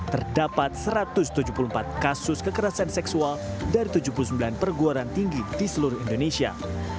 terdapat satu ratus tujuh puluh empat kasus kekerasan seksual dari tujuh puluh sembilan perguaran tinggi di seluruh indonesia